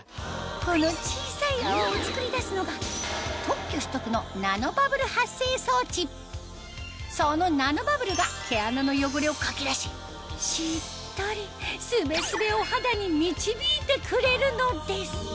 この小さい泡を作り出すのがそのナノバブルが毛穴の汚れをかき出ししっとりすべすべお肌に導いてくれるのです